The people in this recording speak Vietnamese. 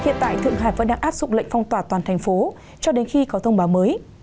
thượng hải vẫn đang áp dụng lệnh phong tỏa toàn thành phố cho đến khi có thông báo mới